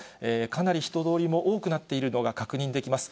かなり人通りも多くなっているのが確認できます。